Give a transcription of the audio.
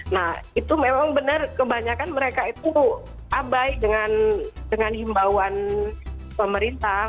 nah itu memang benar kebanyakan mereka itu abai dengan himbauan pemerintah